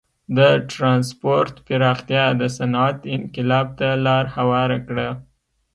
د ټرانسپورت پراختیا د صنعت انقلاب ته لار هواره کړه.